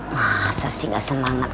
masa sih gak semangat